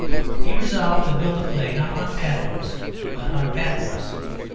He resolved to build a play not on pathos, but on bathos.